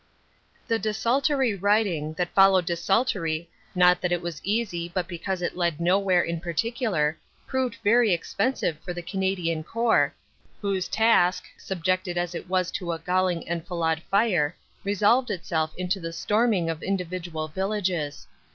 The desultory righting that followed desultory not that it was easy but because it led nowhere in particular proved very expensive for the Canadian Corps, whose task, subjected as it was to a galling enfilade fire, resolved itself into the storm ing of individual villages.